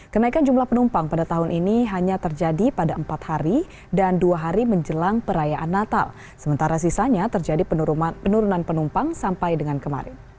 kenaikan jumlah penumpang pada tahun ini hanya terjadi pada empat hari dan dua hari menjelang perayaan natal sementara sisanya terjadi penurunan penumpang sampai dengan kemarin